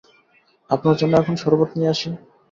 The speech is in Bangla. আপনার জন্যে এখন শরবত নিয়ে আসি।